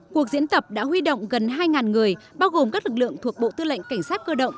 cuộc diễn tập đã huy động gần hai người bao gồm các lực lượng thuộc bộ tư lệnh cảnh sát cơ động